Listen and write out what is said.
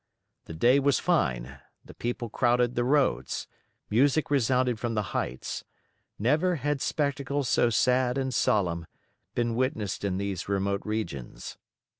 The day was fine, the people crowded the roads, music resounded from the heights; never had spectacle so sad and solemn been witnessed in these remote regions.